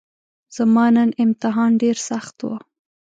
زما نن امتحان ډیرسخت وو